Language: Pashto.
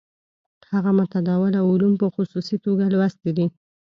هغه متداوله علوم په خصوصي توګه لوستي دي.